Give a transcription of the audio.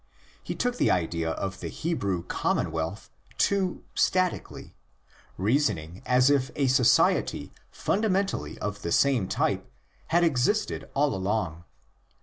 He took the idea of the Hebrew common wealth (respublica Hebreorum) too " statically ''; reasoning as if a society fundamentally of the same type had existed all along.